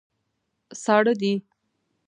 ساړه دي.